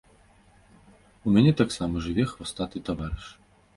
У мяне таксама жыве хвастаты таварыш.